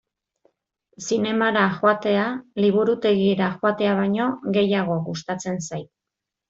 Zinemara joatea liburutegira joatea baino gehiago gustatzen zait.